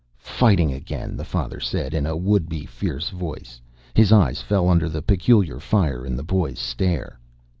"Fighting again," the father said, in a would be fierce voice. His eyes fell under the peculiar fire in the boy's stare.